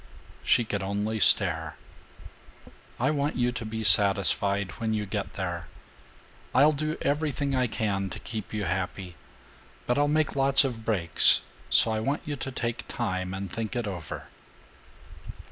She could only stare. "I want you to be satisfied when you get there. I'll do everything I can to keep you happy, but I'll make lots of breaks, so I want you to take time and think it over."